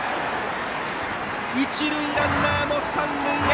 一塁ランナーも三塁へ！